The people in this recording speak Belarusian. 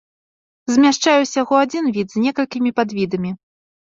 Змяшчае ўсяго адзін від з некалькімі падвідамі.